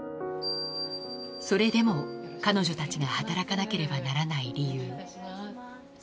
それでも彼女たちが働かなければならない理由。